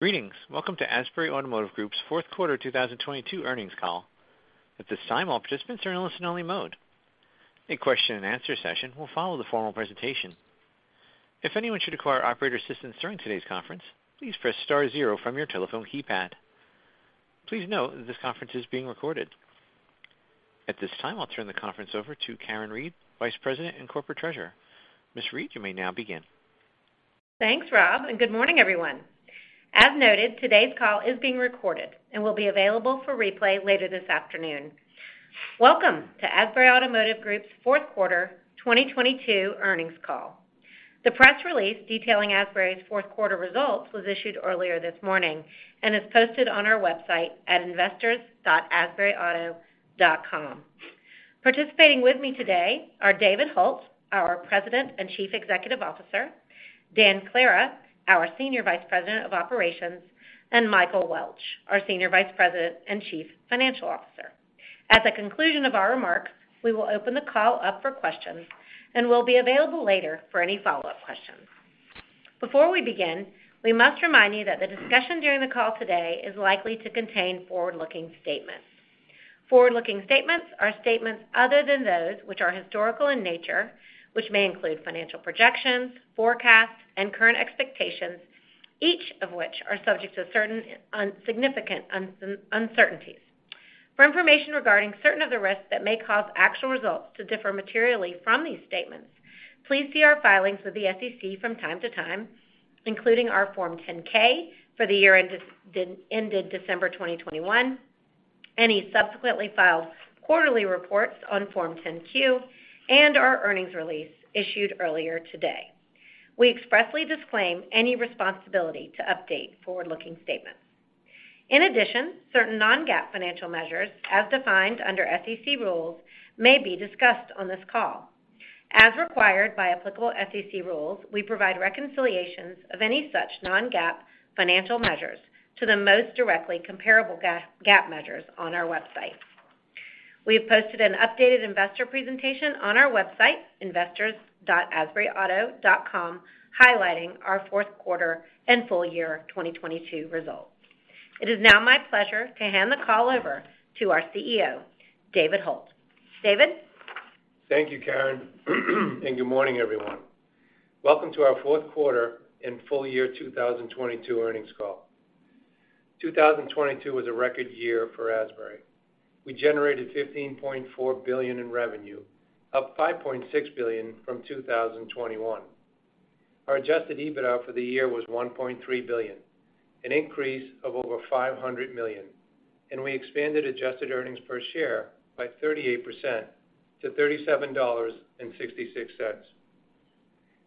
Greetings. Welcome to Asbury Automotive Group's fourth quarter 2022 earnings call. At this time, all participants are in listen-only mode. A question-and-answer session will follow the formal presentation. If anyone should require operator assistance during today's conference, please press * zero from your telephone keypad. Please note that this conference is being recorded. At this time, I'll turn the conference over to Karen Reid, Vice President and Corporate Treasurer. Ms. Reid, you may now begin. Thanks, Rob. Good morning, everyone. As noted, today's call is being recorded and will be available for replay later this afternoon. Welcome to Asbury Automotive Group's fourth quarter 2022 earnings call. The press release detailing Asbury's fourth quarter results was issued earlier this morning and is posted on our website at investors.asburyauto.com. Participating with me today are David Hult, our President and Chief Executive Officer, Dan Clara, our Senior Vice President of Operations, and Michael Welch, our Senior Vice President and Chief Financial Officer. At the conclusion of our remarks, we will open the call up for questions and will be available later for any follow-up questions. Before we begin, we must remind you that the discussion during the call today is likely to contain forward-looking statements. Forward-looking statements are statements other than those which are historical in nature, which may include financial projections, forecasts, and current expectations, each of which are subject to certain significant uncertainties. For information regarding certain of the risks that may cause actual results to differ materially from these statements, please see our filings with the SEC from time to time, including our Form 10-K for the year ended December 2021, any subsequently filed quarterly reports on Form 10-Q, and our earnings release issued earlier today. We expressly disclaim any responsibility to update forward-looking statements. In addition, certain non-GAAP financial measures, as defined under SEC rules, may be discussed on this call. As required by applicable SEC rules, we provide reconciliations of any such non-GAAP financial measures to the most directly comparable GAAP measures on our website. We have posted an updated investor presentation on our website, investors.asburyauto.com, highlighting our fourth quarter and full year 2022 results. It is now my pleasure to hand the call over to our CEO, David Hult. David? Thank you, Karen. Good morning, everyone. Welcome to our fourth quarter and full year 2022 earnings call. 2022 was a record year for Asbury. We generated $15.4 billion in revenue, up $5.6 billion from 2021. Our adjusted EBITDA for the year was $1.3 billion, an increase of over $500 million, and we expanded adjusted earnings per share by 38% to $37.66.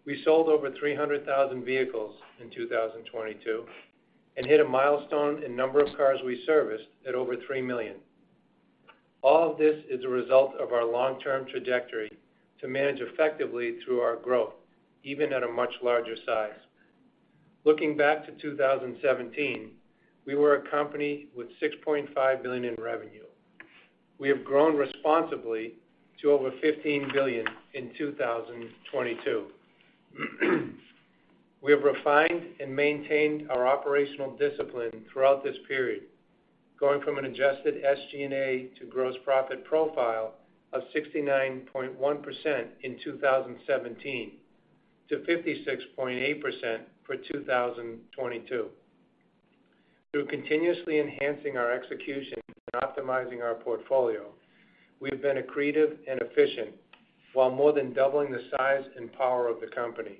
We sold over 300,000 vehicles in 2022 and hit a milestone in number of cars we serviced at over 3 million. All of this is a result of our long-term trajectory to manage effectively through our growth, even at a much larger size. Looking back to 2017, we were a company with $6.5 billion in revenue. We have grown responsibly to over $15 billion in 2022. We have refined and maintained our operational discipline throughout this period, going from an adjusted SG&A to gross profit profile of 69.1% in 2017 to 56.8% for 2022. Through continuously enhancing our execution and optimizing our portfolio, we've been accretive and efficient while more than doubling the size and power of the company.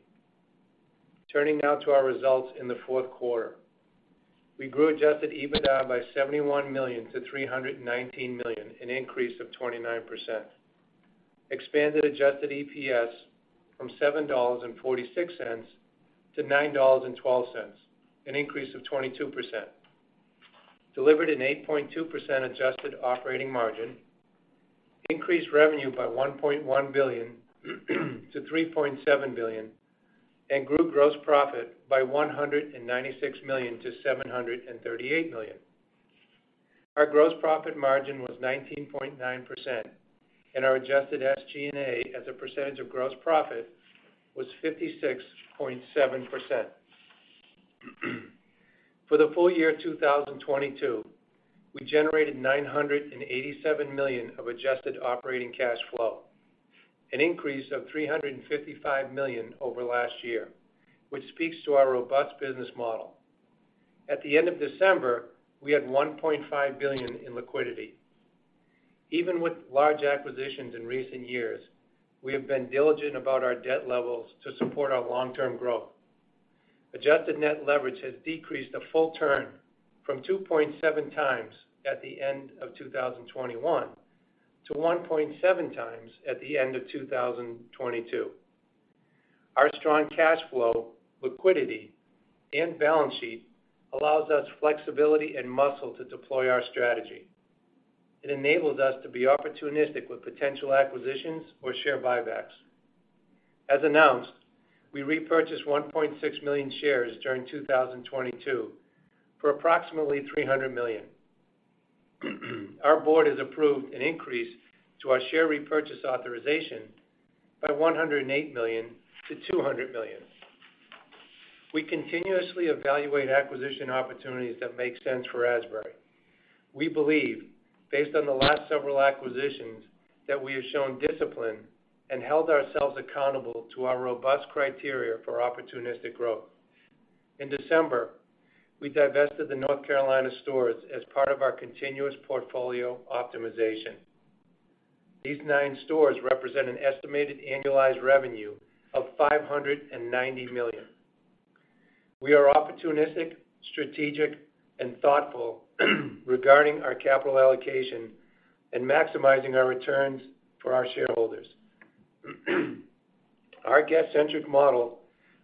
Turning now to our results in the fourth quarter. We grew adjusted EBITDA by $71 million to $319 million, an increase of 29%, expanded adjusted EPS from $7.46 to $9.12, an increase of 22%, delivered an 8.2% adjusted operating margin, increased revenue by $1.1 billion to $3.7 billion, and grew gross profit by $196 million to $738 million. Our gross profit margin was 19.9%, and our adjusted SG&A as a percentage of gross profit was 56.7%. For the full year 2022, we generated $987 million of adjusted operating cash flow, an increase of $355 million over last year, which speaks to our robust business model. At the end of December, we had $1.5 billion in liquidity. Even with large acquisitions in recent years, we have been diligent about our debt levels to support our long-term growth. Adjusted net leverage has decreased a full turn from 2.7 times at the end of 2021 to 1.7 times at the end of 2022. Our strong cash flow, liquidity, and balance sheet allows us flexibility and muscle to deploy our strategy. It enables us to be opportunistic with potential acquisitions or share buybacks. As announced, we repurchased 1.6 million shares during 2022 for approximately $300 million. Our board has approved an increase to our share repurchase authorization by $108 million to $200 million. We continuously evaluate acquisition opportunities that make sense for Asbury. We believe, based on the last several acquisitions, that we have shown discipline and held ourselves accountable to our robust criteria for opportunistic growth. In December, we divested the North Carolina stores as part of our continuous portfolio optimization. These 9 stores represent an estimated annualized revenue of $590 million. We are opportunistic, strategic, and thoughtful regarding our capital allocation and maximizing our returns for our shareholders. Our guest-centric model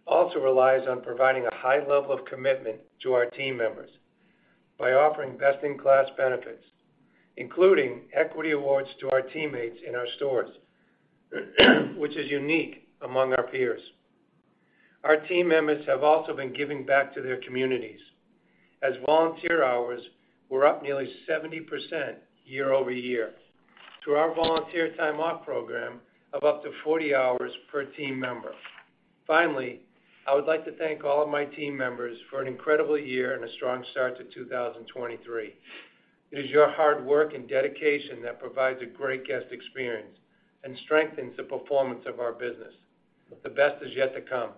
also relies on providing a high level of commitment to our team members by offering best-in-class benefits, including equity awards to our teammates in our stores, which is unique among our peers. Our team members have also been giving back to their communities as volunteer hours were up nearly 70% year-over-year through our volunteer time off program of up to 40 hours per team member. Finally, I would like to thank all of my team members for an incredible year and a strong start to 2023. It is your hard work and dedication that provides a great guest experience and strengthens the performance of our business. The best is yet to come.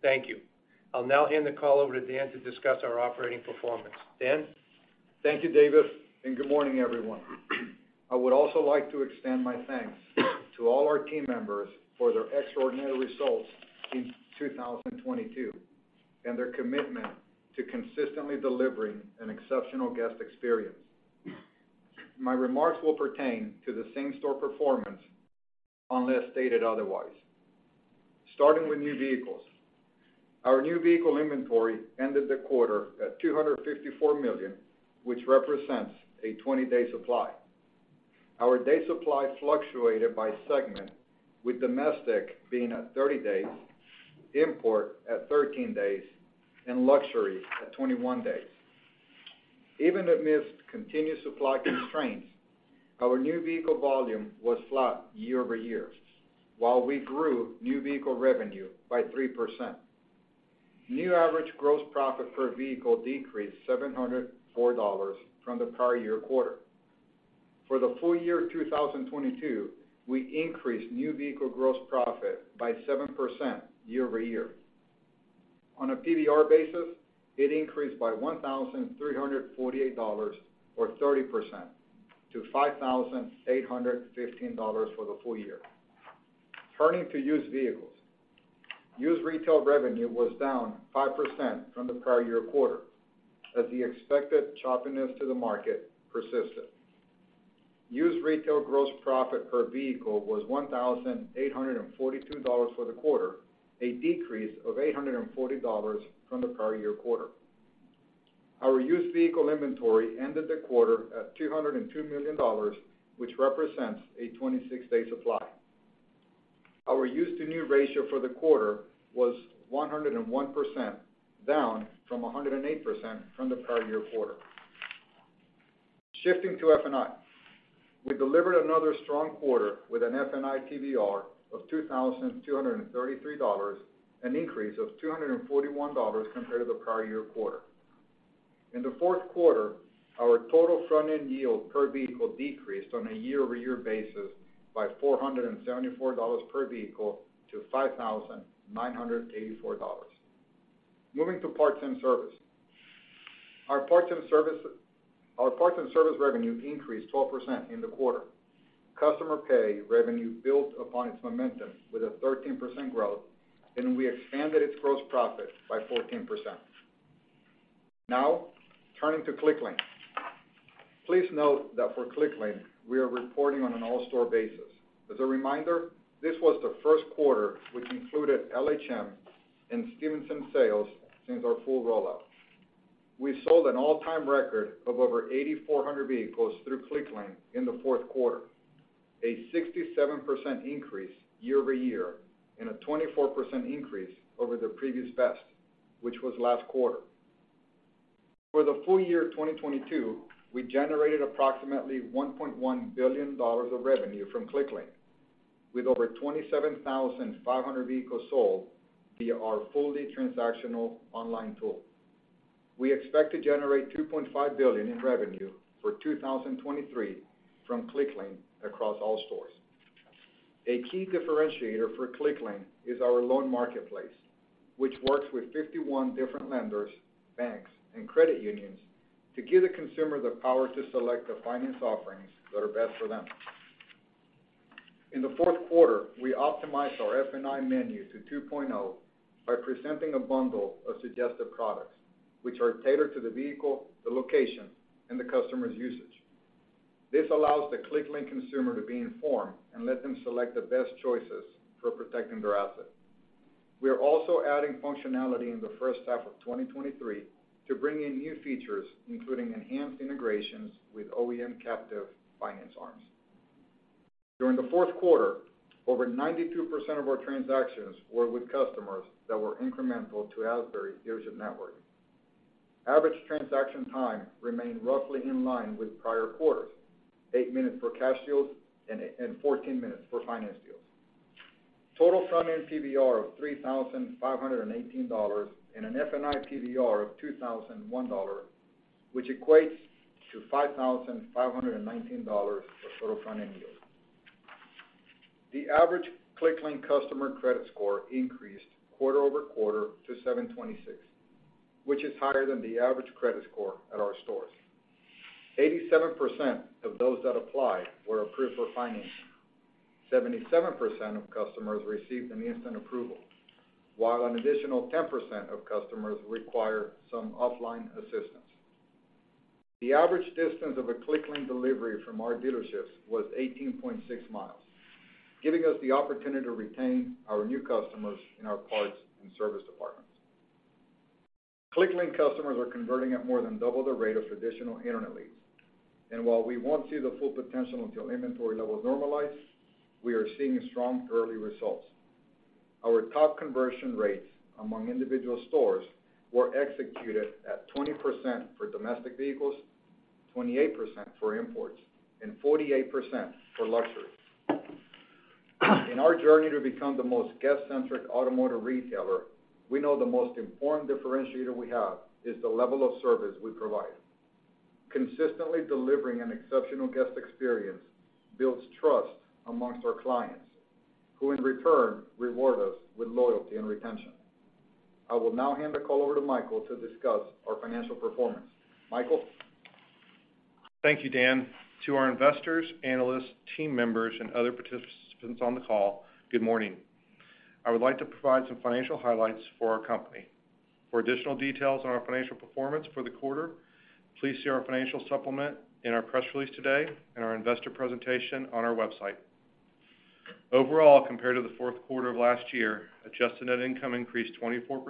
Thank you. I'll now hand the call over to Dan to discuss our operating performance. Dan? Thank you, David. Good morning, everyone. I would also like to extend my thanks to all our team members for their extraordinary results in 2022, and their commitment to consistently delivering an exceptional guest experience. My remarks will pertain to the same-store performance unless stated otherwise. Starting with new vehicles. Our new vehicle inventory ended the quarter at $254 million, which represents a 20-day supply. Our day supply fluctuated by segment, with domestic being at 30 days, import at 13 days, and luxury at 21 days. Even amidst continued supply constraints, our new vehicle volume was flat year-over-year, while we grew new vehicle revenue by 3%. New average gross profit per vehicle decreased $704 from the prior year quarter. For the full year 2022, we increased new vehicle gross profit by 7% year-over-year. On a PBR basis, it increased by $1,348, or 30% to $5,815 for the full year. Turning to used vehicles. Used retail revenue was down 5% from the prior year quarter as the expected choppiness to the market persisted. Used retail gross profit per vehicle was $1,842 for the quarter, a decrease of $840 from the prior year quarter. Our used vehicle inventory ended the quarter at $202 million, which represents a 26-day supply. Our used-to-new ratio for the quarter was 101%, down from 108% from the prior year quarter. Shifting to F&I. We delivered another strong quarter with an F&I TVR of $2,233, an increase of $241 compared to the prior year quarter. In the fourth quarter, our total front-end yield per vehicle decreased on a year-over-year basis by $474 per vehicle to $5,984. Moving to parts and service. Our parts and service revenue increased 12% in the quarter. Customer pay revenue built upon its momentum with a 13% growth, and we expanded its gross profit by 14%. Now, turning to Clicklane. Please note that for Clicklane, we are reporting on an all-store basis. As a reminder, this was the first quarter which included LHM and Stevinson sales since our full rollout. We sold an all-time record of over 8,400 vehicles through Clicklane in the fourth quarter, a 67% increase year-over-year and a 24% increase over the previous best, which was last quarter. For the full year 2022, we generated approximately $1.1 billion of revenue from Clicklane, with over 27,500 vehicles sold via our fully transactional online tool. We expect to generate $2.5 billion in revenue for 2023 from Clicklane across all stores. A key differentiator for Clicklane is our loan marketplace, which works with 51 different lenders, banks, and credit unions to give the consumer the power to select the finance offerings that are best for them. In the fourth quarter, we optimized our F&I menu to 2.0 by presenting a bundle of suggested products, which are tailored to the vehicle, the location, and the customer's usage. This allows the Clicklane consumer to be informed and let them select the best choices for protecting their asset. We are also adding functionality in the first half of 2023 to bring in new features, including enhanced integrations with OEM captive finance arms. During the fourth quarter, over 92% of our transactions were with customers that were incremental to Asbury dealership network. Average transaction time remained roughly in line with prior quarters, 8 minutes for cash deals and 14 minutes for finance deals. Total front-end PBR of $3,518 and an F&I PBR of $2,001, which equates to $5,519 for total front-end deals. The average Clicklane customer credit score increased quarter-over-quarter to 726, which is higher than the average credit score at our stores. 87% of those that applied were approved for financing. 77% of customers received an instant approval, while an additional 10% of customers required some offline assistance. The average distance of a Clicklane delivery from our dealerships was 18.6 miles, giving us the opportunity to retain our new customers in our parts and service departments. Clicklane customers are converting at more than double the rate of traditional internet leads. While we won't see the full potential until inventory levels normalize, we are seeing strong early results. Our top conversion rates among individual stores were executed at 20% for domestic vehicles, 28% for imports, and 48% for luxury. In our journey to become the most guest-centric automotive retailer, we know the most important differentiator we have is the level of service we provide. Consistently delivering an exceptional guest experience builds trust amongst our clients, who in return reward us with loyalty and retention. I will now hand the call over to Michael to discuss our financial performance. Michael? Thank you, Dan. To our investors, analysts, team members, and other participants on the call, good morning. I would like to provide some financial highlights for our company. For additional details on our financial performance for the quarter, please see our financial supplement in our press release today and our investor presentation on our website. Overall, compared to the fourth quarter of last year, adjusted net income increased 24%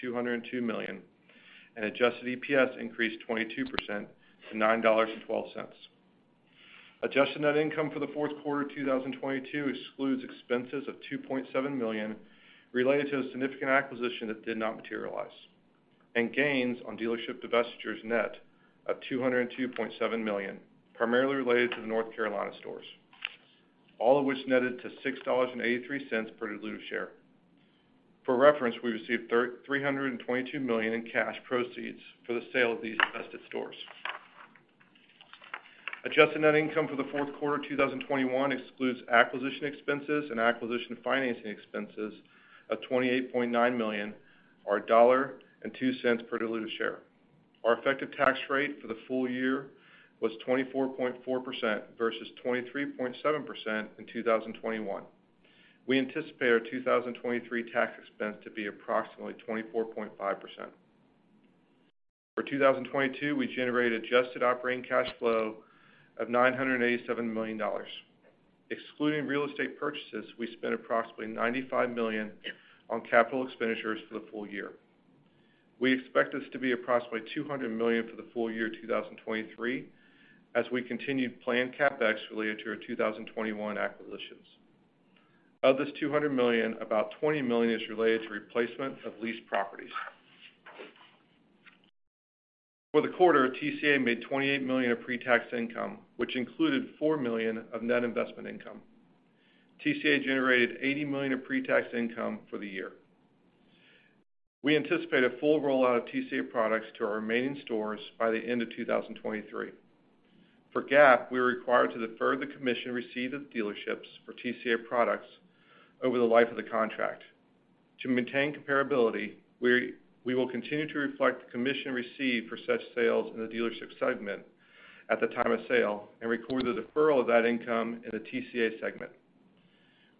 to $202 million, and adjusted EPS increased 22% to $9.12. Adjusted net income for the fourth quarter of 2022 excludes expenses of $2.7 million related to the significant acquisition that did not materialize, and gains on dealership divestitures net of $202.7 million, primarily related to the North Carolina stores, all of which netted to $6.83 per diluted share. For reference, we received $322 million in cash proceeds for the sale of these divested stores. Adjusted net income for the fourth quarter of 2021 excludes acquisition expenses and acquisition financing expenses of $28.9 million or $1.02 per diluted share. Our effective tax rate for the full year was 24.4% versus 23.7% in 2021. We anticipate our 2023 tax expense to be approximately 24.5%. For 2022, we generated adjusted operating cash flow of $987 million. Excluding real estate purchases, we spent approximately $95 million on capital expenditures for the full year. We expect this to be approximately $200 million for the full year 2023 as we continue planned CapEx related to our 2021 acquisitions. Of this $200 million, about $20 million is related to replacement of leased properties. For the quarter, TCA made $28 million of pre-tax income, which included $4 million of net investment income. TCA generated $80 million of pre-tax income for the year. We anticipate a full rollout of TCA products to our remaining stores by the end of 2023. For GAAP, we are required to defer the commission received of dealerships for TCA products over the life of the contract. To maintain comparability, we will continue to reflect the commission received for such sales in the dealership segment at the time of sale and record the deferral of that income in the TCA segment.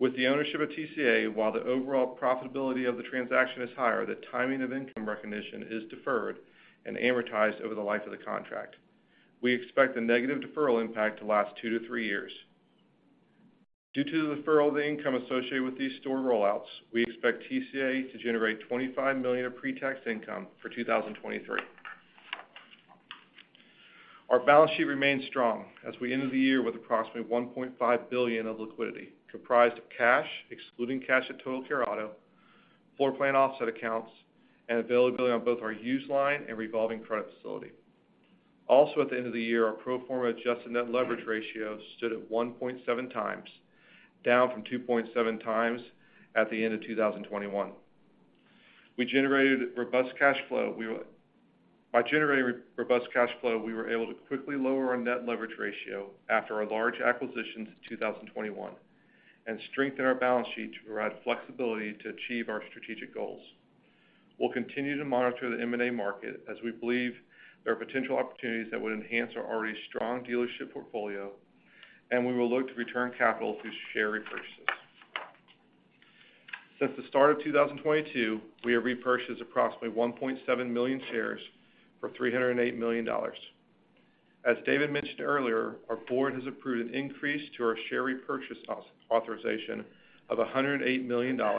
With the ownership of TCA, while the overall profitability of the transaction is higher, the timing of income recognition is deferred and amortized over the life of the contract. We expect the negative deferral impact to last 2 to 3 years. Due to the deferral of the income associated with these store rollouts, we expect TCA to generate $25 million of pre-tax income for 2023. Our balance sheet remains strong as we end the year with approximately $1.5 billion of liquidity, comprised of cash, excluding cash at Total Care Auto, floorplan offset accounts, and availability on both our used line and revolving credit facility. Also at the end of the year, our pro forma adjusted net leverage ratio stood at 1.7 times, down from 2.7 times at the end of 2021. We generated robust cash flow. By generating robust cash flow, we were able to quickly lower our net leverage ratio after our large acquisitions in 2021 and strengthen our balance sheet to provide flexibility to achieve our strategic goals. We'll continue to monitor the M&A market as we believe there are potential opportunities that would enhance our already strong dealership portfolio. We will look to return capital through share repurchases. Since the start of 2022, we have repurchased approximately 1.7 million shares for $308 million. As David mentioned earlier, our board has approved an increase to our share repurchase authorization of $108 million to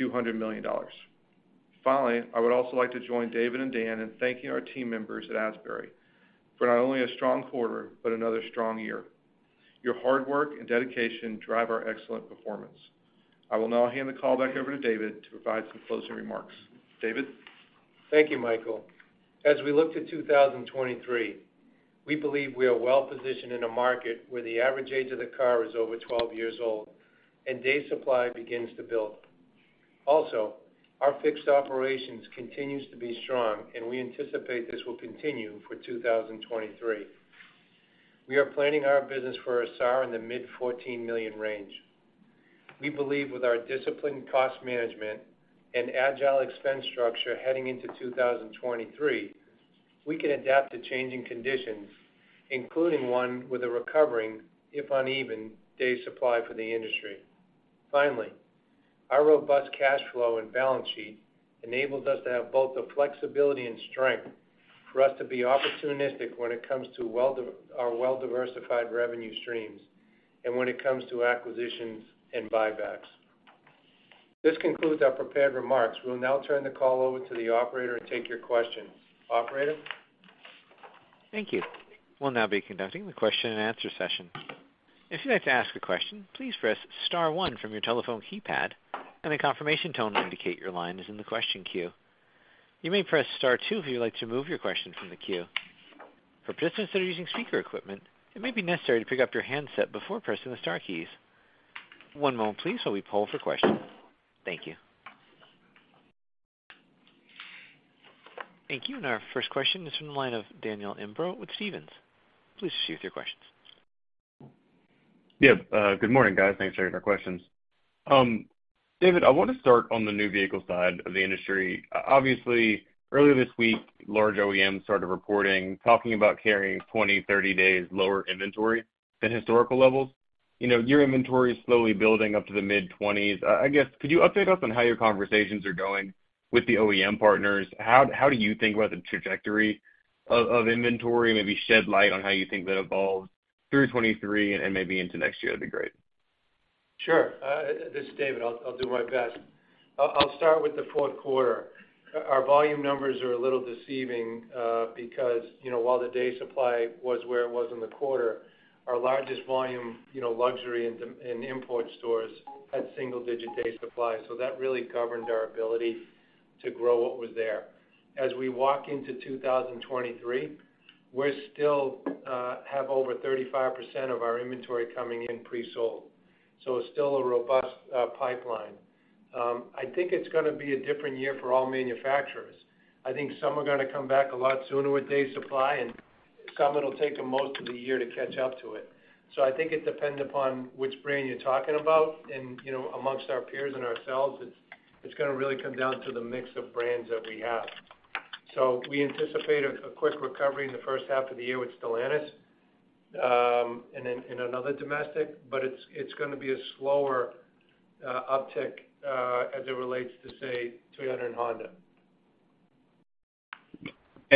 $200 million. Finally, I would also like to join David and Dan in thanking our team members at Asbury for not only a strong quarter, but another strong year. Your hard work and dedication drive our excellent performance. I will now hand the call back over to David to provide some closing remarks. David? Thank you, Michael. As we look to 2023, we believe we are well-positioned in a market where the average age of the car is over 12 years old and day supply begins to build. Our fixed operations continues to be strong, and we anticipate this will continue for 2023. We are planning our business for a SAR in the mid-14 million range. We believe with our disciplined cost management and agile expense structure heading into 2023, we can adapt to changing conditions, including one with a recovering, if uneven, day supply for the industry. Our robust cash flow and balance sheet enables us to have both the flexibility and strength for us to be opportunistic when it comes to our well-diversified revenue streams and when it comes to acquisitions and buybacks. This concludes our prepared remarks. We'll now turn the call over to the operator to take your questions. Operator? Thank you. We'll now be conducting the question-and-answer session. If you'd like to ask a question, please press * one from your telephone keypad, and a confirmation tone will indicate your line is in the question queue. You may press * two if you would like to remove your question from the queue. For participants that are using speaker equipment, it may be necessary to pick up your handset before pressing the * keys. One moment please while we poll for questions. Thank you. Thank you. Our first question is from the line of Daniel Imbro with Stephens. Please proceed with your questions. Good morning, guys. Thanks for taking our questions. David, I want to start on the new vehicle side of the industry. Obviously, earlier this week, large OEMs started reporting, talking about carrying 20, 30 days lower inventory than historical levels. You know, your inventory is slowly building up to the mid-20s. I guess could you update us on how your conversations are going with the OEM partners? How do you think about the trajectory of inventory? Maybe shed light on how you think that evolves through 2023 and maybe into next year would be great. Sure. This is David. I'll do my best. I'll start with the fourth quarter. Our volume numbers are a little deceiving, because, you know, while the day supply was where it was in the quarter, our largest volume, you know, luxury and import stores had single digit day supply. That really governed our ability to grow what was there. As we walk into 2023, we're still have over 35% of our inventory coming in pre-sold. It's still a robust pipeline. I think it's gonna be a different year for all manufacturers. I think some are gonna come back a lot sooner with day supply, and some it'll take them most of the year to catch up to it. I think it depends upon which brand you're talking about. You know, amongst our peers and ourselves, it's gonna really come down to the mix of brands that we have. We anticipate a quick recovery in the first half of the year with Stellantis, and then another domestic, but it's gonna be a slower uptick as it relates to, say, Toyota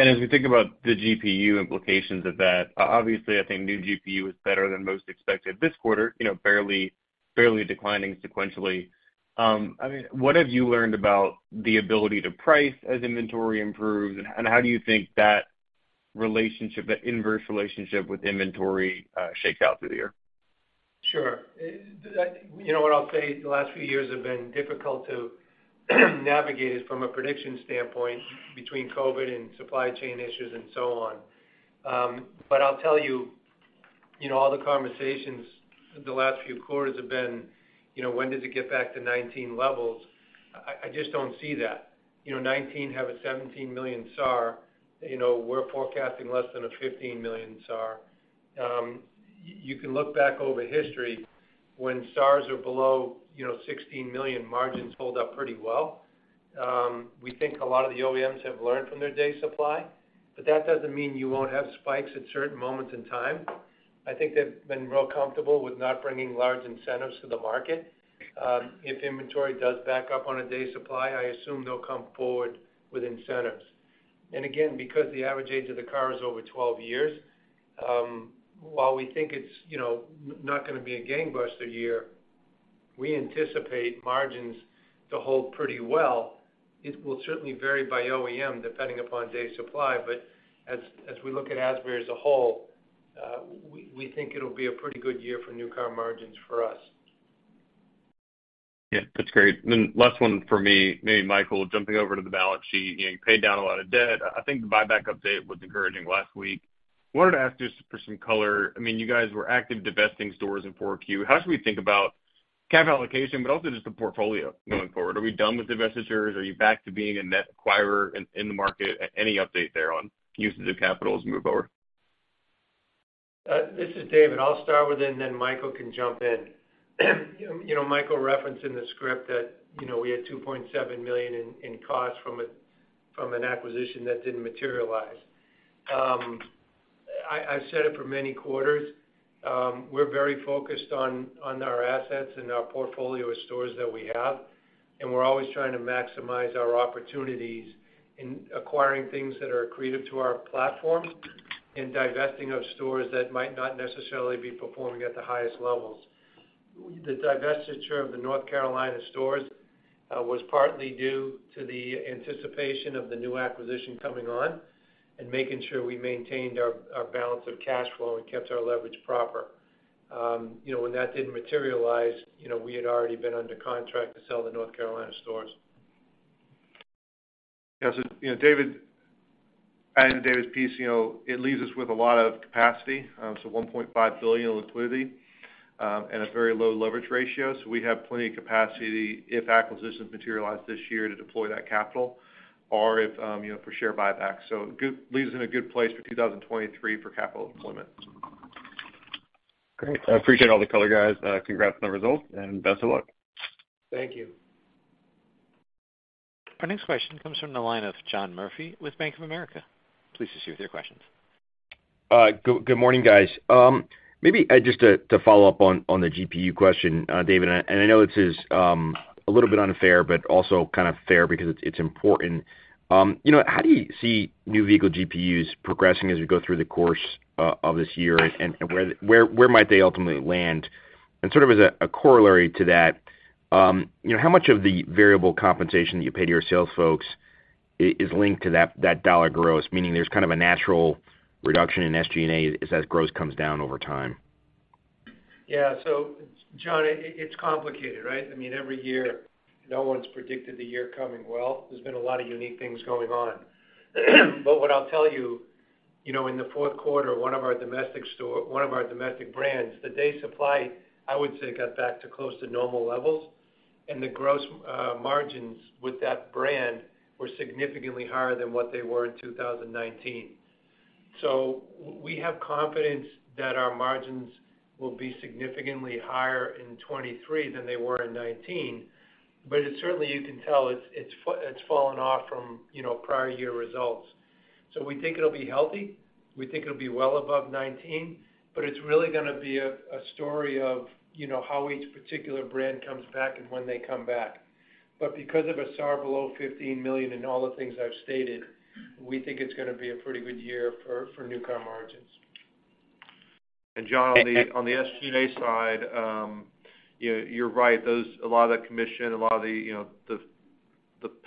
and Honda. As we think about the GPU implications of that, obviously, I think new GPU is better than most expected this quarter, you know, barely declining sequentially. I mean, what have you learned about the ability to price as inventory improves, and how do you think that relationship, the inverse relationship with inventory, shake out through the year? Sure. You know what I'll say the last few years have been difficult to navigate from a prediction standpoint between COVID and supply chain issues and so on. I'll tell you know, all the conversations the last few quarters have been, you know, when does it get back to 2019 levels? I just don't see that. You know, 2019 have a 17 million SAR. You know, we're forecasting less than a 15 million SAR. You can look back over history when SARs are below, you know, 16 million, margins hold up pretty well. We think a lot of the OEMs have learned from their day supply, that doesn't mean you won't have spikes at certain moments in time. I think they've been real comfortable with not bringing large incentives to the market. If inventory does back up on a day supply, I assume they'll come forward with incentives. Again, because the average age of the car is over 12 years, while we think it's, you know, not gonna be a gangbuster year, we anticipate margins to hold pretty well. It will certainly vary by OEM depending upon day supply. As we look at Asbury as a whole, we think it'll be a pretty good year for new car margins for us. Yeah, that's great. Last one for me, maybe Michael, jumping over to the balance sheet. You paid down a lot of debt. I think the buyback update was encouraging last week. Wanted to ask just for some color. I mean, you guys were active divesting stores in 4Q. How should we think about capital allocation, also just the portfolio going forward? Are we done with divestitures? Are you back to being a net acquirer in the market? Any update there on usage of capital as we move forward? This is David. I'll start with it, and then Michael can jump in. You know, Michael referenced in the script that, you know, we had $2.7 million in costs from an acquisition that didn't materialize. I've said it for many quarters, we're very focused on our assets and our portfolio of stores that we have, and we're always trying to maximize our opportunities in acquiring things that are accretive to our platform and divesting of stores that might not necessarily be performing at the highest levels. The divestiture of the North Carolina stores was partly due to the anticipation of the new acquisition coming on and making sure we maintained our balance of cash flow and kept our leverage proper. You know, when that didn't materialize, you know, we had already been under contract to sell the North Carolina stores. Yes. You know, adding to David's piece, you know, it leaves us with a lot of capacity. $1.5 billion in liquidity, and a very low leverage ratio. We have plenty of capacity if acquisitions materialize this year to deploy that capital or if, you know, for share buyback. Leaves in a good place for 2023 for capital deployment. Great. I appreciate all the color, guys. Congrats on the results and best of luck. Thank you. Our next question comes from the line of John Murphy with Bank of America. Please proceed with your questions. Good morning, guys. Maybe just to follow up on the GPU question, David, I know this is a little bit unfair, but also kind of fair because it's important. You know, how do you see new vehicle GPUs progressing as we go through the course of this year and where might they ultimately land? Sort of as a corollary to that, you know, how much of the variable compensation you pay to your sales folks is linked to that dollar gross? Meaning there's kind of a natural reduction in SG&A as gross comes down over time. John, it's complicated, right? I mean, every year, no one's predicted the year coming well. There's been a lot of unique things going on. What I'll tell you know, in the fourth quarter, one of our domestic brands, the day supply, I would say, got back to close to normal levels. The gross margins with that brand were significantly higher than what they were in 2019. We have confidence that our margins will be significantly higher in 2023 than they were in 2019. Certainly, you can tell it's fallen off from, you know, prior year results. We think it'll be healthy. We think it'll be well above 2019, but it's really gonna be a story of, you know, how each particular brand comes back and when they come back. Because of a SAR below $15 million and all the things I've stated, we think it's gonna be a pretty good year for new car margins. John, on the, on the SG&A side, you're right. A lot of the commission, a lot of the, you know, the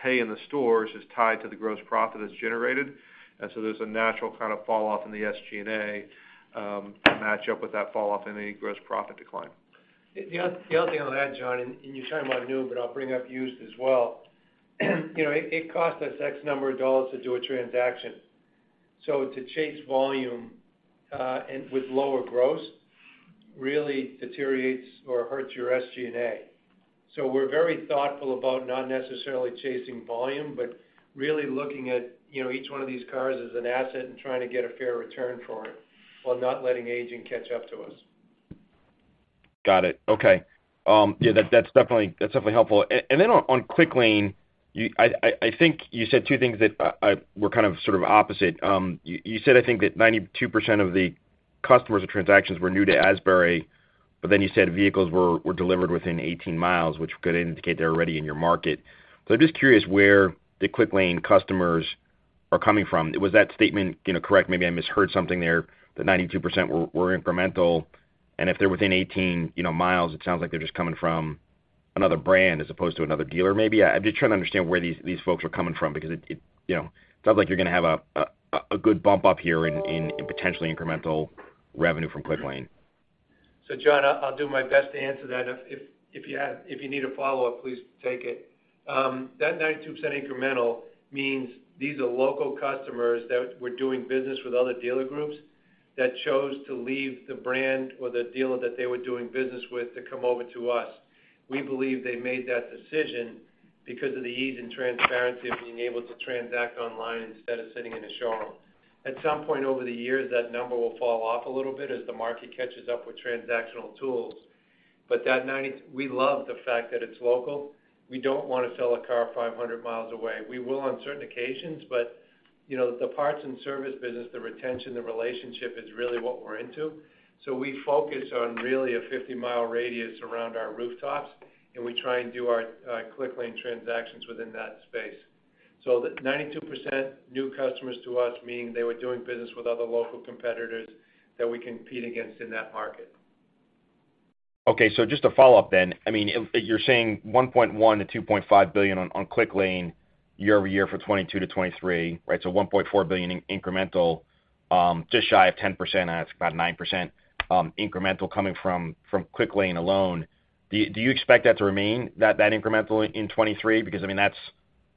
pay in the stores is tied to the gross profit that's generated. There's a natural kind of fall off in the SG&A, to match up with that fall off in the gross profit decline. The other thing I'll add, John. You're talking about new, but I'll bring up used as well. You know, it costs us X number of dollars to do a transaction. To chase volume, and with lower gross really deteriorates or hurts your SG&A. We're very thoughtful about not necessarily chasing volume, but really looking at, you know, each one of these cars as an asset and trying to get a fair return for it while not letting aging catch up to us. Got it. Okay. Yeah, that's definitely helpful. On Clicklane, I think you said two things that were kind of sort of opposite. You said, I think that 92% of the customers or transactions were new to Asbury, but then you said vehicles were delivered within 18 miles, which could indicate they're already in your market. I'm just curious where the Clicklane customers are coming from. Was that statement, you know, correct? Maybe I misheard something there, that 92% were incremental, and if they're within 18, you know, miles, it sounds like they're just coming from another brand as opposed to another dealer maybe. I'm just trying to understand where these folks are coming from because it, you know, sounds like you're gonna have a good bump up here in potentially incremental revenue from Clicklane. John, I'll do my best to answer that. If you need a follow-up, please take it. That 92% incremental means these are local customers that were doing business with other dealer groups that chose to leave the brand or the dealer that they were doing business with to come over to us. We believe they made that decision because of the ease and transparency of being able to transact online instead of sitting in a showroom. At some point over the years, that number will fall off a little bit as the market catches up with transactional tools. We love the fact that it's local. We don't wanna sell a car 500 miles away. We will on certain occasions, you know, the parts and service business, the retention, the relationship is really what we're into. We focus on really a 50-mile radius around our rooftops, and we try and do our Clicklane transactions within that space. Ninety-two percent new customers to us mean they were doing business with other local competitors that we compete against in that market. Okay. Just a follow-up. I mean, if you're saying $1.1 billion-$2.5 billion on Clicklane year-over-year for 2022 to 2023, right? One point four billion in incremental, just shy of 10%, and that's about 9% incremental coming from Clicklane alone. Do you expect that to remain that incremental in 2023? Because I mean, that's,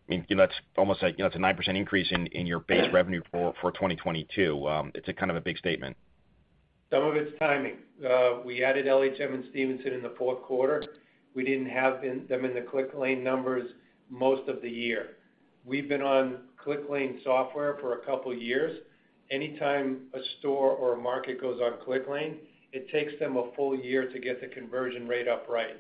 I mean, you know, that's almost like, you know, it's a 9% increase in your base revenue for 2022. It's a kind of a big statement. Some of it's timing. We added LHM and Stevinson in the fourth quarter. We didn't have them in the Clicklane numbers most of the year. We've been on Clicklane software for a couple of years. Anytime a store or a market goes on Clicklane, it takes them a full year to get the conversion rate up right.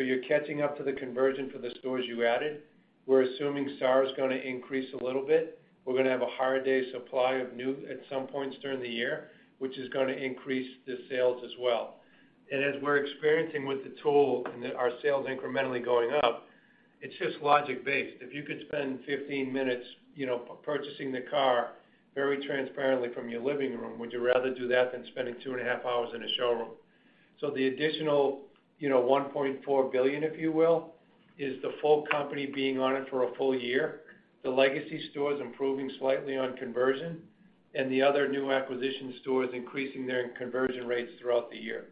You're catching up to the conversion for the stores you added. We're assuming SAR is gonna increase a little bit. We're gonna have a higher day supply of new at some points during the year, which is gonna increase the sales as well. As we're experiencing with the tool and our sales incrementally going up. It's just logic-based. If you could spend 15 minutes, you know, purchasing the car very transparently from your living room, would you rather do that than spending 2 and a half hours in a showroom? The additional, you know, $1.4 billion, if you will, is the full company being on it for a full year, the legacy stores improving slightly on conversion and the other new acquisition stores increasing their conversion rates throughout the year.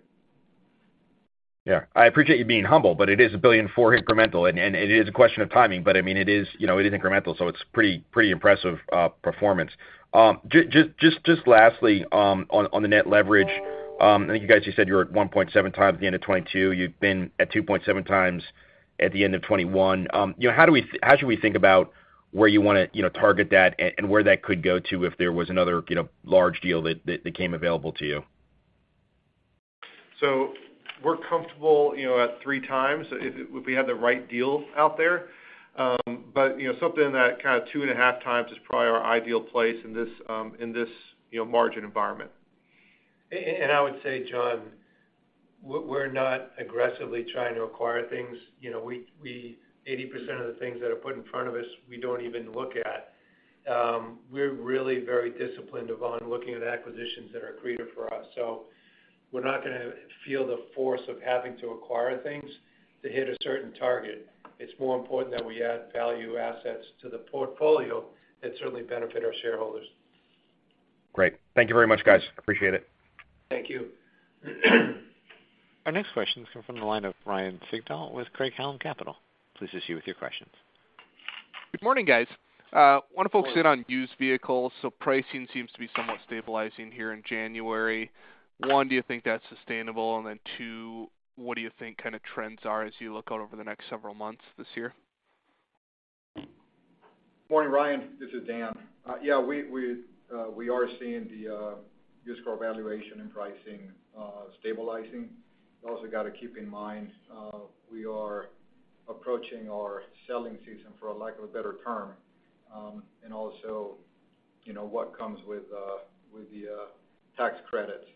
I appreciate you being humble, it is a $1.4 billion incremental, and it is a question of timing, but I mean, it is, you know, it is incremental, so it's pretty impressive performance. Just lastly, on the net leverage, I think you guys just said you were at 1.7 times at the end of 2022. You've been at 2.7 times at the end of 2021. You know, how should we think about where you wanna, you know, target that and where that could go to if there was another, you know, large deal that came available to you? We're comfortable, you know, at 3 times if we had the right deal out there. You know, something in that kind of 2.5 times is probably our ideal place in this, in this, you know, margin environment. I would say, John, we're not aggressively trying to acquire things. You know, we 80% of the things that are put in front of us, we don't even look at. We're really very disciplined, uncertain, looking at acquisitions that are accretive for us. We're not gonna feel the force of having to acquire things to hit a certain target. It's more important that we add value assets to the portfolio that certainly benefit our shareholders. Great. Thank you very much, guys. Appreciate it. Thank you. Our next question is coming from the line of Ryan Sigdahl with Craig-Hallum Capital Group. Please proceed with your questions. Good morning, guys. wanna focus in on used vehicles. pricing seems to be somewhat stabilizing here in January. 1, do you think that's sustainable? 2, what do you think kind of trends are as you look out over the next several months this year? Morning, Ryan. This is Dan. Yeah, we are seeing the used car valuation and pricing stabilizing. You also got to keep in mind, we are approaching our selling season, for a lack of a better term, and also, you know, what comes with the tax credits.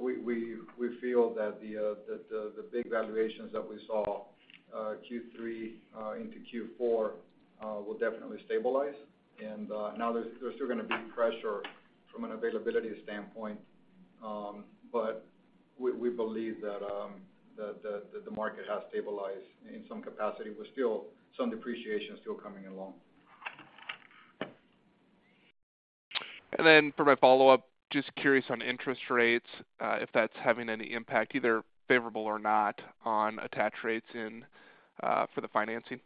we feel that the big valuations that we saw Q3 into Q4 will definitely stabilize. Now there's still gonna be pressure from an availability standpoint, but we believe that the market has stabilized in some capacity, but still some depreciation still coming along. For my follow-up, just curious on interest rates, if that's having any impact, either favorable or not, on attached rates in for the financing.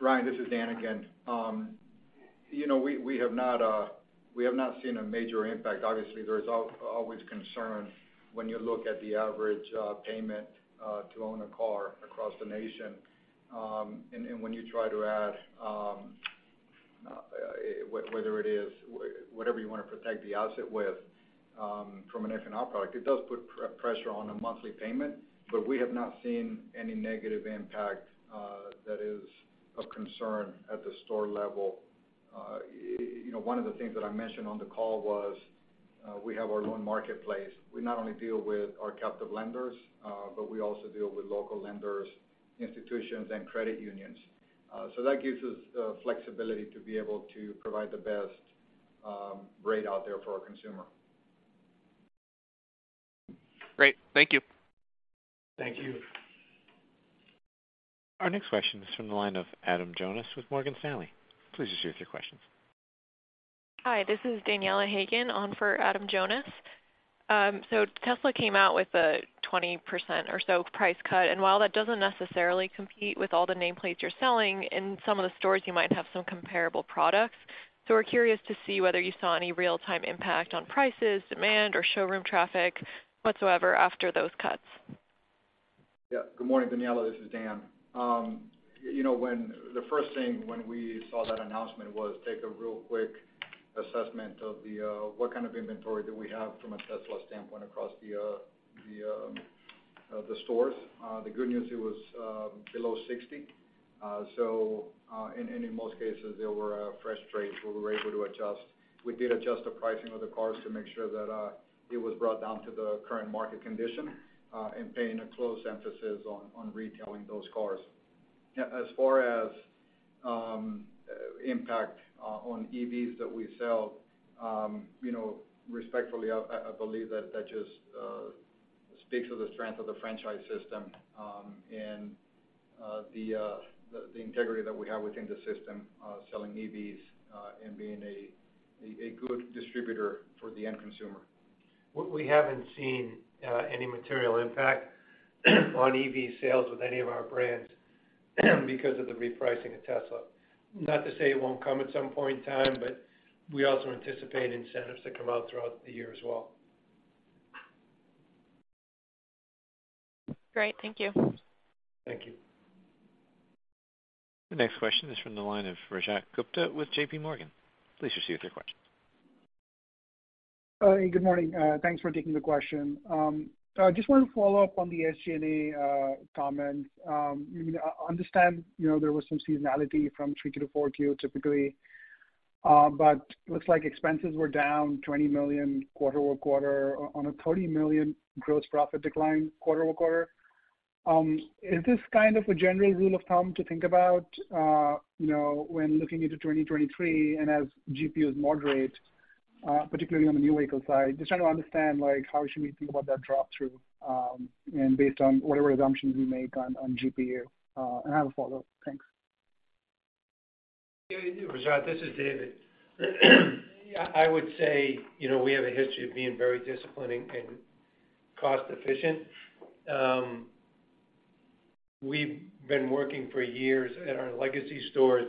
Ryan, this is Dan again. You know, we have not seen a major impact. Obviously, there's always concern when you look at the average payment to own a car across the nation. When you try to add, whether it is, whatever you want to protect the asset with, from an F&I product, it does put pressure on a monthly payment. We have not seen any negative impact that is of concern at the store level. You know, one of the things that I mentioned on the call was, we have our own marketplace. We not only deal with our captive lenders, but we also deal with local lenders, institutions, and credit unions. That gives us flexibility to be able to provide the best rate out there for our consumer. Great. Thank you. Thank you. Our next question is from the line of Adam Jonas with Morgan Stanley. Please proceed with your questions. Hi, this is Daniela Haigian on for Adam Jonas. Tesla came out with a 20% or so price cut, and while that doesn't necessarily compete with all the nameplates you're selling, in some of the stores you might have some comparable products. We're curious to see whether you saw any real-time impact on prices, demand or showroom traffic whatsoever after those cuts. Good morning, Daniela. This is Daniel. You know, the first thing when we saw that announcement was take a real quick assessment of the inventory do we have from a Tesla standpoint across the stores. The good news, it was below 60. In most cases, there were fresh trades we were able to adjust. We did adjust the pricing of the cars to make sure that it was brought down to the current market condition, and paying a close emphasis on retailing those cars. As far as, impact on EVs that we sell, you know, respectfully, I believe that just speaks to the strength of the franchise system, and the integrity that we have within the system, selling EVs, and being a good distributor for the end consumer. We haven't seen any material impact on EV sales with any of our brands because of the repricing of Tesla. Not to say it won't come at some point in time, but we also anticipate incentives to come out throughout the year as well. Great. Thank you. Thank you. The next question is from the line of Rajat Gupta with JPMorgan. Please proceed with your question. Good morning. Thanks for taking the question. I just want to follow up on the SG&A comments. I understand, you know, there was some seasonality from 3Q to 4Q typically. Looks like expenses were down $20 million quarter-over-quarter on a $30 million gross profit decline quarter-over-quarter. Is this kind of a general rule of thumb to think about, you know, when looking into 2023 and as GPUs moderate, particularly on the new vehicle side? Just trying to understand, like how should we think about that drop through, and based on whatever assumptions we make on GPU. I have a follow-up. Thanks. Yeah, Rajat, this is David. I would say, you know, we have a history of being very disciplined and cost efficient. We've been working for years at our legacy stores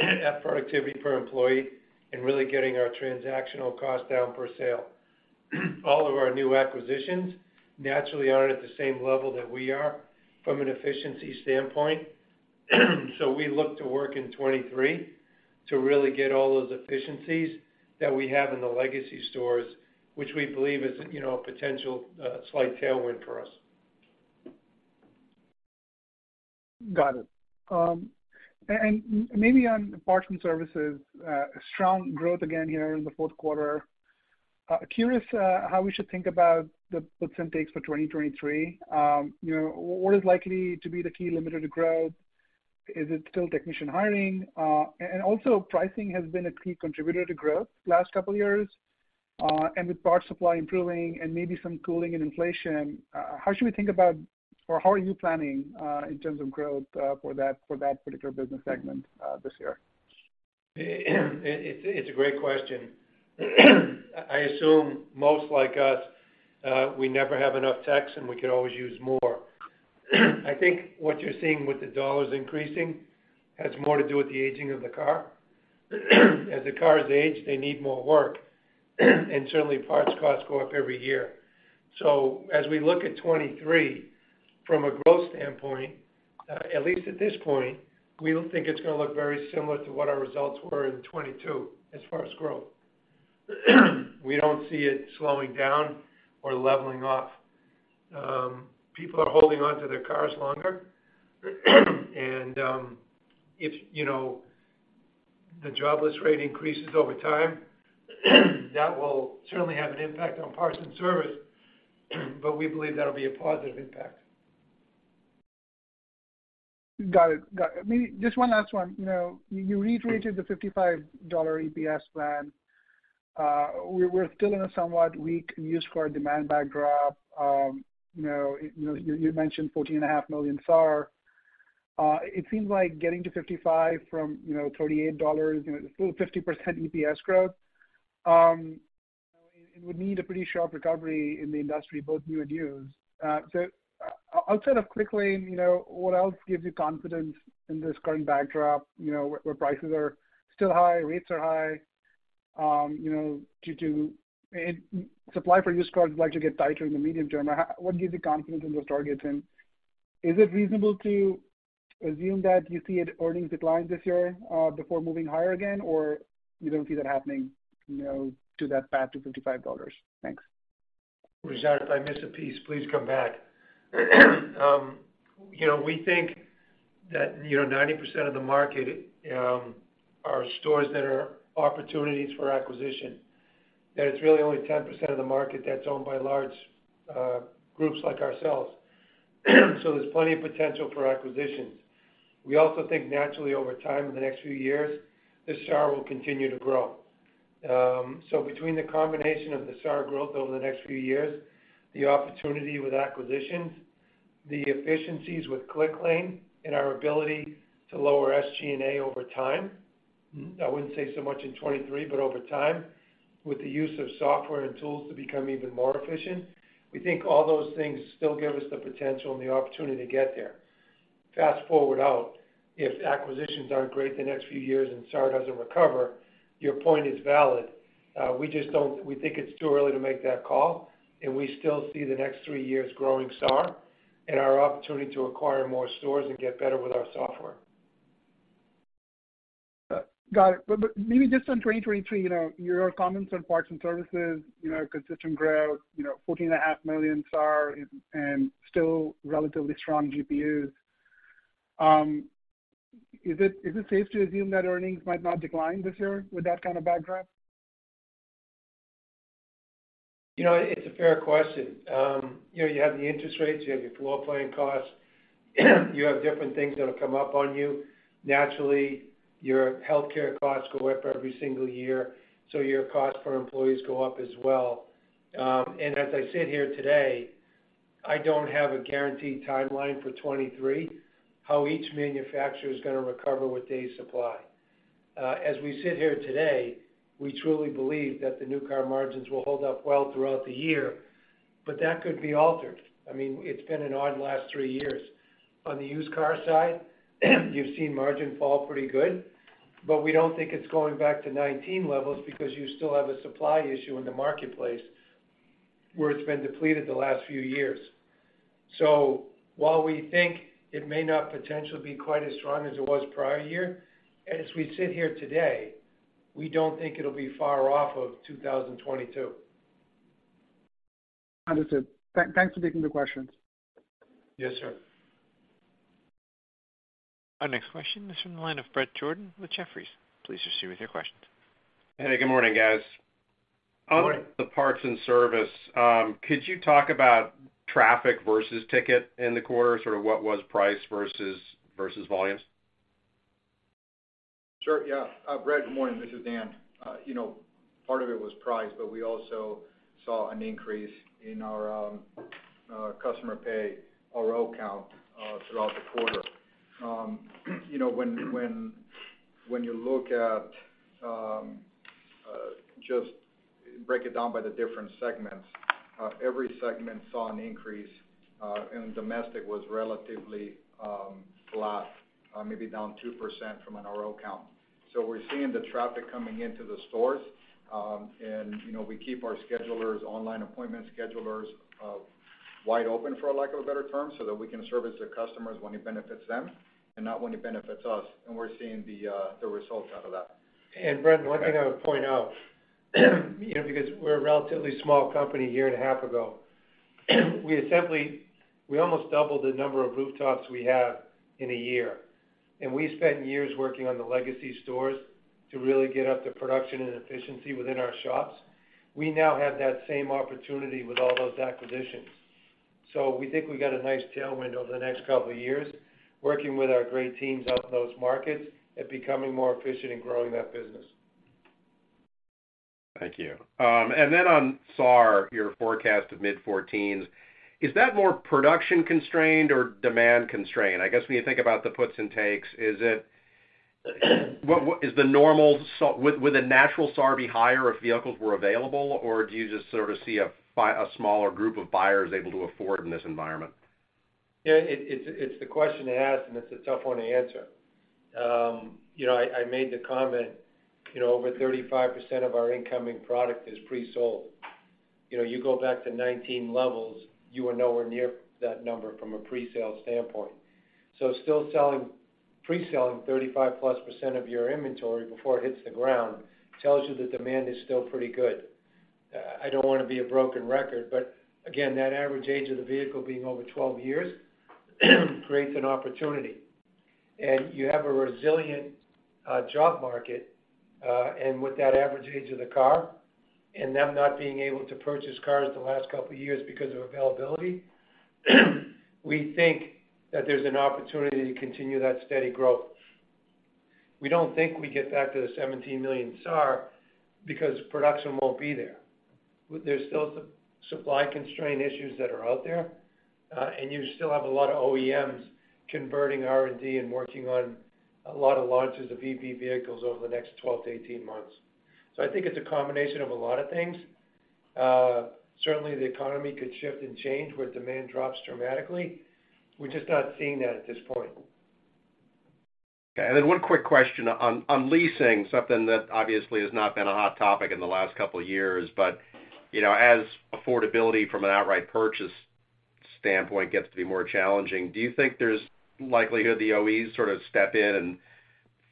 at productivity per employee and really getting our transactional cost down per sale. All of our new acquisitions naturally aren't at the same level that we are from an efficiency standpoint. We look to work in 23 to really get all those efficiencies that we have in the legacy stores, which we believe is, you know, a potential slight tailwind for us. Got it. Maybe on parts and services, strong growth again here in the fourth quarter. Curious how we should think about the puts and takes for 2023. You know, what is likely to be the key limiter to growth? Is it still technician hiring? Also pricing has been a key contributor to growth last couple of years. And with parts supply improving and maybe some cooling and inflation, how should we think about or how are you planning in terms of growth for that, for that particular business segment this year? It's a great question. I assume most like us, we never have enough techs, and we could always use more. I think what you're seeing with the dollars increasing has more to do with the aging of the car. As the cars age, they need more work and certainly parts costs go up every year. As we look at 2023 from a growth standpoint, at least at this point, we don't think it's gonna look very similar to what our results were in 2022 as far as growth. We don't see it slowing down or leveling off. People are holding on to their cars longer. If, you know, the jobless rate increases over time, that will certainly have an impact on parts and service, but we believe that'll be a positive impact. Got it. Got it. Maybe just one last one. You know, you reiterated the $55 EPS plan. We're still in a somewhat weak used car demand backdrop. You know, you know, you mentioned 14.5 million SAR. It seems like getting to 55 from, you know, $38, you know, it's still a 50% EPS growth. It would need a pretty sharp recovery in the industry, both new and used. So outside of Clicklane, you know, what else gives you confidence in this current backdrop, you know, where prices are still high, rates are high, you know, due to... Supply for used cars like to get tighter in the medium term. What gives you confidence in those targets? Is it reasonable to assume that you see an earnings decline this year, before moving higher again, or you don't see that happening, you know, to that path to $55? Thanks. Rajat, if I miss a piece, please come back. You know, we think that, you know, 90% of the market are stores that are opportunities for acquisition, that it's really only 10% of the market that's owned by large groups like ourselves. There's plenty of potential for acquisitions. We also think naturally over time in the next few years, the SAR will continue to grow. Between the combination of the SAR growth over the next few years, the opportunity with acquisitions, the efficiencies with Clicklane and our ability to lower SG&A over time, I wouldn't say so much in 2023, but over time, with the use of software and tools to become even more efficient, we think all those things still give us the potential and the opportunity to get there. Fast forward out, if acquisitions aren't great the next few years and SAR doesn't recover, your point is valid. We think it's too early to make that call. We still see the next 3 years growing SAR and our opportunity to acquire more stores and get better with our software. Got it. Maybe just on 2023, you know, your comments on parts and services, you know, consistent growth, you know, 14.5 million SAR and still relatively strong GPUs. Is it safe to assume that earnings might not decline this year with that kind of backdrop? You know, it's a fair question. You know, you have the interest rates, you have your floor planning costs, you have different things that'll come up on you. Naturally, your healthcare costs go up every single year, so your cost per employees go up as well. As I sit here today, I don't have a guaranteed timeline for 23, how each manufacturer is gonna recover with day supply. As we sit here today, we truly believe that the new car margins will hold up well throughout the year, that could be altered. I mean, it's been an odd last three years. On the used car side, you've seen margin fall pretty good, we don't think it's going back to 19 levels because you still have a supply issue in the marketplace where it's been depleted the last few years. While we think it may not potentially be quite as strong as it was prior year, as we sit here today, we don't think it'll be far off of 2022. Understood. Thanks for taking the questions. Yes, sir. Our next question is from the line of Bret Jordan with Jefferies. Please proceed with your questions. Hey, good morning, guys. Good morning. On the parts and service, could you talk about traffic versus ticket in the quarter? Sort of what was price versus volumes? Sure, yeah. Bret, good morning. This is Daniel. You know, part of it was price, but we also saw an increase in our customer pay RO count throughout the quarter. You know, when you look at just break it down by the different segments, every segment saw an increase, and domestic was relatively flat, maybe down 2% from an RO count. We're seeing the traffic coming into the stores, and, you know, we keep our schedulers, online appointment schedulers, wide open, for lack of a better term, so that we can service the customers when it benefits them and not when it benefits us, and we're seeing the results out of that. Bret, one thing I would point out, you know, because we're a relatively small company a year and a half ago, we almost doubled the number of rooftops we have in a year. We spent years working on the legacy stores to really get up the production and efficiency within our shops. We now have that same opportunity with all those acquisitions. We think we got a nice tailwind over the next couple of years, working with our great teams out in those markets and becoming more efficient in growing that business. Thank you. Then on SAR, your forecast of mid-14s, is that more production constrained or demand constrained? I guess, when you think about the puts and takes, what is the normal? Would the natural SAR be higher if vehicles were available, or do you just sort of see a smaller group of buyers able to afford in this environment? Yeah, it's the question to ask, and it's a tough one to answer. You know, I made the comment, you know, over 35% of our incoming product is pre-sold. You know, you go back to 19 levels, you are nowhere near that number from a pre-sale standpoint. Still selling, pre-selling 35%+ of your inventory before it hits the ground tells you that demand is still pretty good. I don't wanna be a broken record, but again, that average age of the vehicle being over 12 years creates an opportunity. You have a resilient job market, and with that average age of the car and them not being able to purchase cars the last couple of years because of availability, we think that there's an opportunity to continue that steady growth. We don't think we get back to the 17 million SAR because production won't be there. There's still some supply constraint issues that are out there, and you still have a lot of OEMs converting R&D and working on a lot of launches of EV vehicles over the next 12 to 18 months. I think it's a combination of a lot of things. Certainly, the economy could shift and change where demand drops dramatically. We're just not seeing that at this point. Okay. Then one quick question on leasing, something that obviously has not been a hot topic in the last couple of years, but, you know, as affordability from an outright purchase standpoint gets to be more challenging, do you think there's likelihood the OEs sort of step in and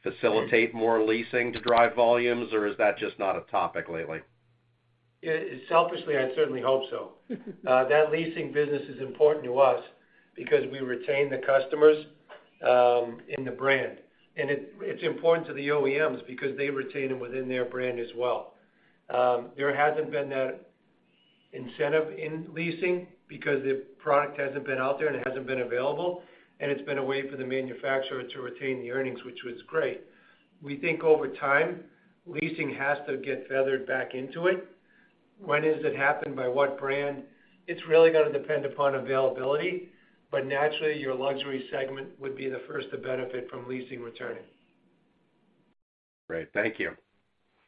facilitate more leasing to drive volumes, or is that just not a topic lately? Yeah. Selfishly, I certainly hope so. That leasing business is important to us because we retain the customers in the brand. It, it's important to the OEMs because they retain them within their brand as well. There hasn't been that incentive in leasing because the product hasn't been out there and it hasn't been available, and it's been a way for the manufacturer to retain the earnings, which was great. We think over time, leasing has to get feathered back into it. When does it happen? By what brand? It's really gonna depend upon availability. Naturally, your luxury segment would be the first to benefit from leasing returning. Great. Thank you.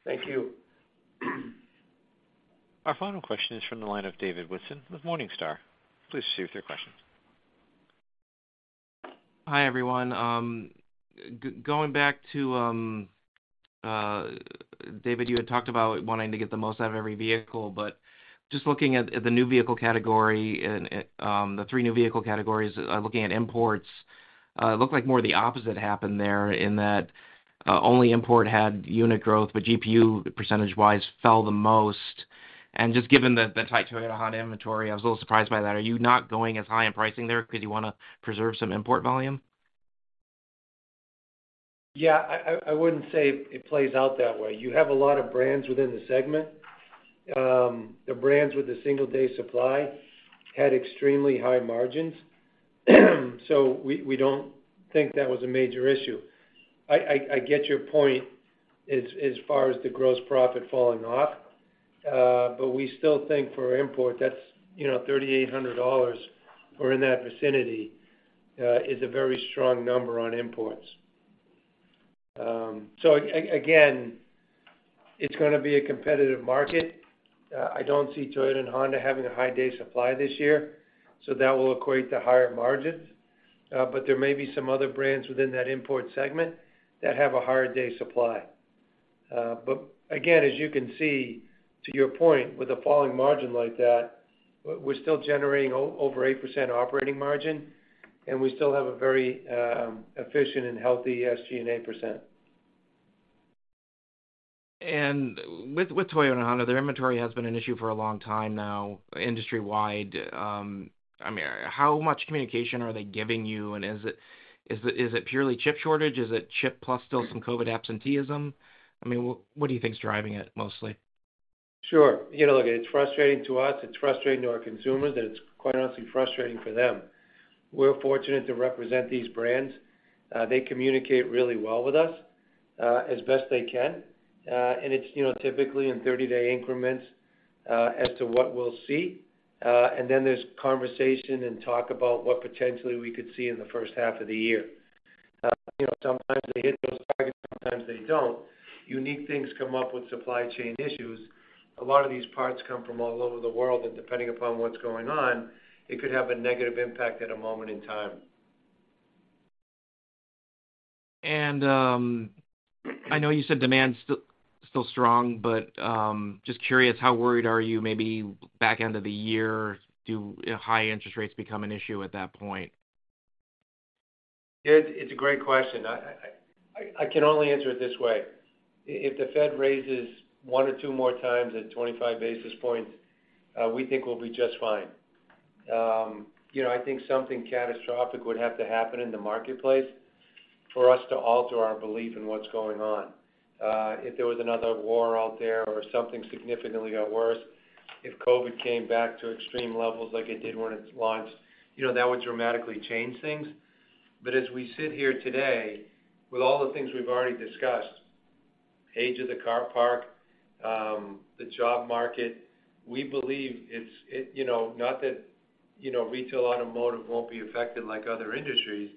Thank you. Our final question is from the line of David Whiston with Morningstar. Please proceed with your question. Hi, everyone. Going back to David, you had talked about wanting to get the most out of every vehicle, but just looking at the new vehicle category and the three new vehicle categories, looking at imports, it looked like more of the opposite happened there in that only import had unit growth, but GPU %-wise fell the most. Just given the tight Toyota hot inventory, I was a little surprised by that. Are you not going as high in pricing there because you wanna preserve some import volume? Yeah. I wouldn't say it plays out that way. You have a lot of brands within the segment. The brands with the single day supply had extremely high margins, so we don't think that was a major issue. I get your point as far as the gross profit falling off, we still think for import, that's, you know, $3,800 or in that vicinity, is a very strong number on imports. Again, it's gonna be a competitive market. I don't see Toyota and Honda having a high day supply this year, that will equate to higher margins. There may be some other brands within that import segment that have a hard day supply. Again, as you can see, to your point, with a falling margin like that, we're still generating over 8% operating margin, and we still have a very efficient and healthy SG&A %. With Toyota and Honda, their inventory has been an issue for a long time now industry-wide. I mean, how much communication are they giving you? Is it purely chip shortage? Is it chip plus still some COVID absenteeism? I mean, what do you think is driving it mostly? Sure. You know, look, it's frustrating to us, it's frustrating to our consumers, and it's quite honestly frustrating for them. We're fortunate to represent these brands. They communicate really well with us, as best they can. It's, you know, typically in 30-day increments, as to what we'll see. Then there's conversation and talk about what potentially we could see in the first half of the year. You know, sometimes they hit those targets, sometimes they don't. Unique things come up with supply chain issues. A lot of these parts come from all over the world, and depending upon what's going on, it could have a negative impact at a moment in time. I know you said demand's still strong, but just curious, how worried are you maybe back end of the year? Do high interest rates become an issue at that point? It's a great question. I can only answer it this way. If the Fed raises 1 or 2 more times at 25 basis points, we think we'll be just fine. You know, I think something catastrophic would have to happen in the marketplace for us to alter our belief in what's going on. If there was another war out there or something significantly got worse, if COVID came back to extreme levels like it did when it launched, you know, that would dramatically change things. As we sit here today with all the things we've already discussed, age of the car park, the job market, we believe it's. You know, not that, you know, retail automotive won't be affected like other industries.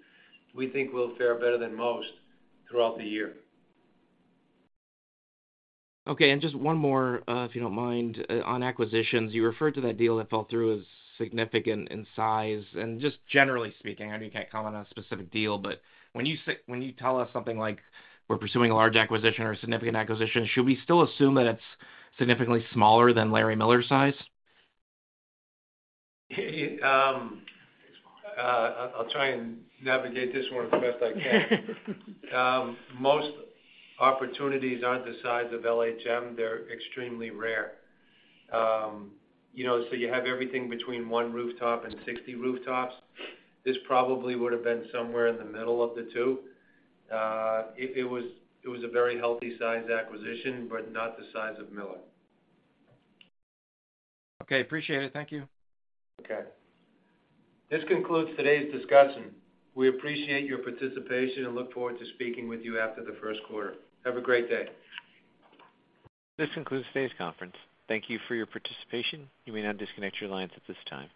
We think we'll fare better than most throughout the year. Okay. Just one more, if you don't mind. On acquisitions, you referred to that deal that fell through as significant in size. Just generally speaking, I know you can't comment on a specific deal, but when you tell us something like we're pursuing a large acquisition or a significant acquisition, should we still assume that it's significantly smaller than Larry Miller's size? I'll try and navigate this one the best I can. Most opportunities aren't the size of LHM. They're extremely rare. You know, you have everything between one rooftop and 60 rooftops. This probably would have been somewhere in the middle of the two. It was a very healthy size acquisition, but not the size of Miller. Okay. Appreciate it. Thank you. Okay. This concludes today's discussion. We appreciate your participation and look forward to speaking with you after the first quarter. Have a great day. This concludes today's conference. Thank you for your participation. You may now disconnect your lines at this time.